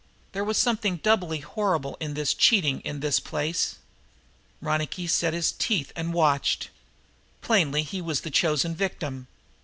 There was something doubly horrible in this cheating in this place. Ronicky set his teeth and watched. Plainly he was the chosen victim.